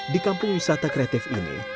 di kampung wisata kreatif ini